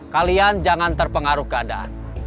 kalian jangan terpengaruh keadaan